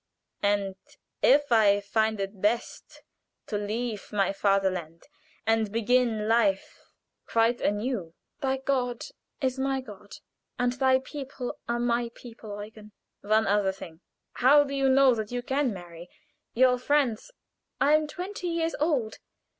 "And if I find it best to leave my Fatherland, and begin life quite anew?" "Thy God is my God, and thy people are my people, Eugen." "One other thing. How do you know that you can marry? Your friends " "I am twenty years old.